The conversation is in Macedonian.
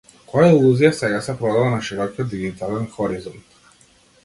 Која илузија сега се продава на широкиот дигитален хоризонт?